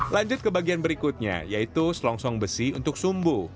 lanjut ke bagian berikutnya yaitu selongsong besi untuk sumbu